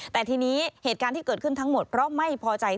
แต่ทีนี้แผนที่เกิดขึ้นทั้งหมดเพราะไม่พอใจที่